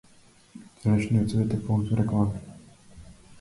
Денешниот свет е полн со реклами.